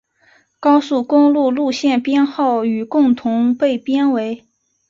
高速公路路线编号与共同被编为。